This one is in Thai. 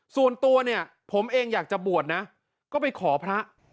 ส่วนตัวเนี่ยผมเองอยากจะบวชนะก็ไปขอพระ